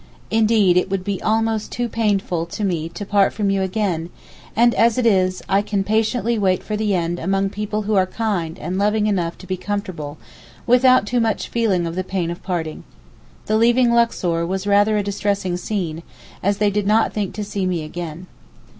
Indeed it would be almost too painful to me to part from you again; and as it is, I can patiently wait for the end among people who are kind and loving enough to be comfortable, without too much feeling of the pain of parting. The leaving Luxor was rather a distressing scene, as they did not think to see me again.